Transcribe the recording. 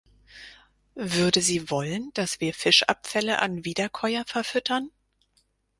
Würde sie wollen, dass wir Fischabfälle an Wiederkäuer verfüttern?